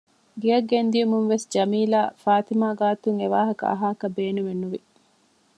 ގެއަށް ގެންދިޔުމުންވެސް ޖަމީލާ ފާތިމާ ގާތުން އެވާހަކަ އަހާކަށް ބޭނުމެއް ނުވި